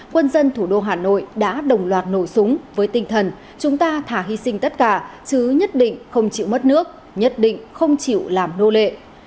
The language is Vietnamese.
quân dân thủ đô hà nội đã đồng loạt nổ súng với tinh thần chúng ta thả hy sinh tất cả chứ nhất định không chịu mất nước nhất định không chịu làm nô lệ